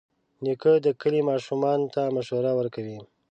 نیکه د کلي ماشومانو ته مشوره ورکوي.